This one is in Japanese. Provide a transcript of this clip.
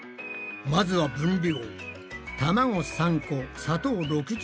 まずは分量。